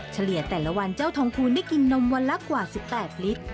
เฉลี่ยแต่ละวันเจ้าทองคูณได้กินนมวันละกว่า๑๘ลิตร